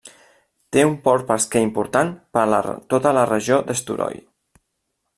Té un port pesquer important per a tota la regió d'Eysturoy.